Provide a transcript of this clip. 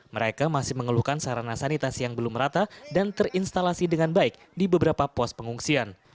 mereka masih mengeluhkan sarana sanitasi yang belum rata dan terinstalasi dengan baik di beberapa pos pengungsian